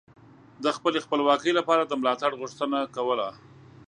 د خپلې خپلواکۍ لپاره د ملاتړ غوښتنه کوله